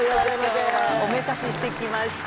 今日はおめかししてきました。